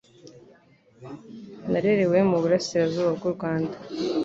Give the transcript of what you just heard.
Narerewe mu burasirazuba bw’urwanda.